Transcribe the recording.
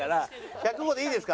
１０５でいいですか？